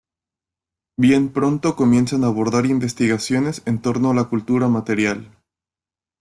Bien pronto comienzan a abordar investigaciones en torno a la cultura material.